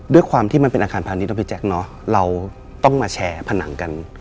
ด้วยความที่มันเป็นอาคารพาณิชนะพี่แจ๊คเนอะเราต้องมาแชร์ผนังกัน